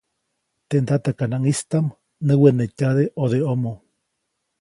Teʼ ndatakanaŋʼistaʼm näwenetyade ʼodeʼomo.